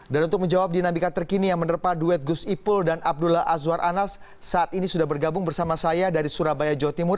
dan untuk menjawab dinamika terkini yang menerpa duet gus ipul dan abdullah azwar anas saat ini sudah bergabung bersama saya dari surabaya jawa timur